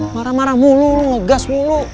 marah marah mulu ngegas mulu